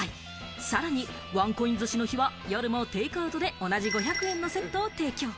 さらにワンコイン寿司の日は夜もテイクアウトで同じ５００円のセットを提供。